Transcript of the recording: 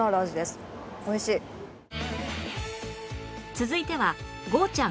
続いてはゴーちゃん。